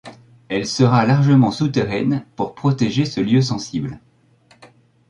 Elle sera largement souterraine pour protéger ce lieu sensible.